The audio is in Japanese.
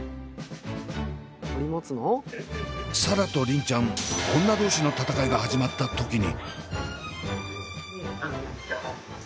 紗蘭と梨鈴ちゃん女同士の戦いが始まった時に。